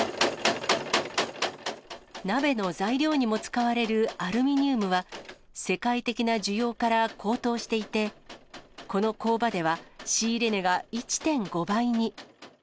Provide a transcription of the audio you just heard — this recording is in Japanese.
鍋の材料にも使われるアルミニウムは、世界的な需要から高騰していて、この工場では、仕入れ値が１．５倍に。